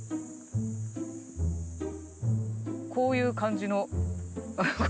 こういう感じの。